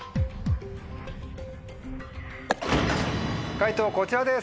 解答こちらです！